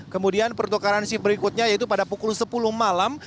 kemudian pertukaran shift berikutnya yaitu pada pukul sepuluh malam